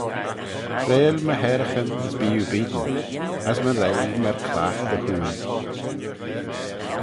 Freill my haraghyn as bee oo beayn: as my leigh myr clagh dty hooill.